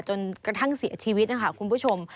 จนกระทั่งเสียชีวิตนะคะคุณผู้ชม